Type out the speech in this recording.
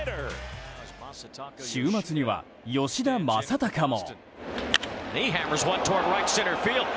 週末には吉田正尚も。